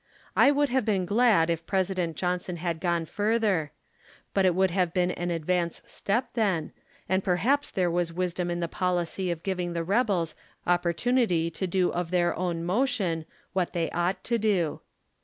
I would have been glad if President Johnson had gone further. But it would have been an advance step then, and perhaps there was wisdom in the policy of giv ing the rebels opportunity to do of their own motion, Avhat they ought to do.